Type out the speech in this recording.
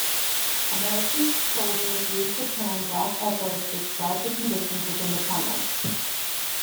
American soldiers used the term "Black Echo" to describe the conditions within the tunnels.